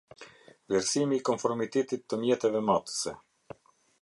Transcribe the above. Vlerësimi i konformitetit të mjeteve matëse.